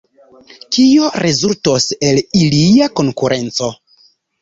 Kio rezultos el ilia konkurenco?